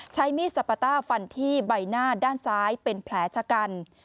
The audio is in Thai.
ใช้มีดสปาต้าฟันที่ใบหน้าด้านซ้ายเป็นแผลชะกัน